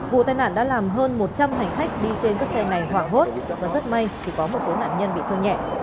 vụ tai nạn đã làm hơn một trăm linh hành khách đi trên các xe này hỏa hốt và rất may chỉ có một số nạn nhân bị thương nhẹ